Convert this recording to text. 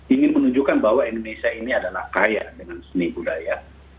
ingin menunjukkan bahwa indonesia ini adalah kaya dengan seni budaya